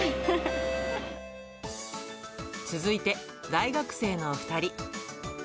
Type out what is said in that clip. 続いて大学生のお２人。